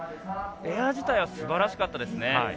エア自体はすばらしかったですね。